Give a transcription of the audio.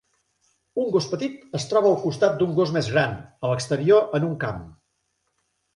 Un gos petit es troba al costat d'un gos més gran, a l'exterior en un camp.